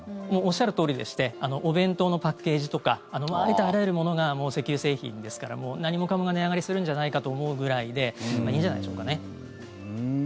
おっしゃるとおりでしてお弁当のパッケージとかありとあらゆるものが石油製品ですから何もかもが値上がりするんじゃないかと思うぐらいでいいんじゃないでしょうかね。